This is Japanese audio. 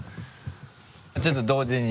ちょっと同時に。